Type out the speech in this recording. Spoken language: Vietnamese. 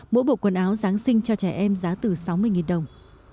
mỗi bộ quần áo giáng sinh cho trẻ em giá từ sáu mươi đồng